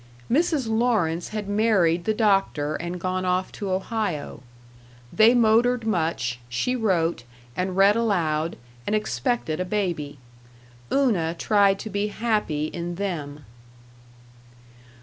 Mrs. Lawrence had married the doctor and gone off to Ohio. They motored much, she wrote, and read aloud, and expected a baby. Una tried to be happy in them.